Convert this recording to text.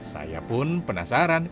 saya pun penasaran